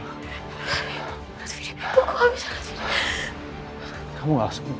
rasvidi aku gak bisa rasvidi